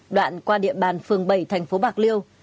đoạn qua địa bàn phường bảy tp bạc liêu